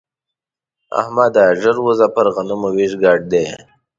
احمده! ژر ورځه پر غنمو وېش ګډ دی.